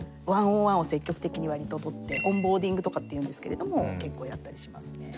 １ｏｎ１を積極的に割と取ってオンボーディングとかっていうんですけれども結構やったりしますね。